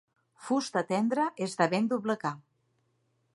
Fusta tendra és de ben doblegar.